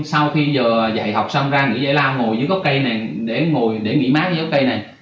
sau khi giờ dạy học xong ra nghỉ dạy lao ngồi dưới cốc cây này để nghỉ mát dưới cốc cây này